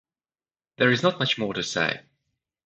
There is not much more to say.